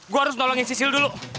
gue harus nolongin sisil dulu